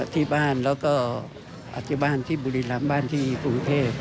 ที่บ้านแล้วก็อธิบายที่บุรีรำบ้านที่กรุงเทพ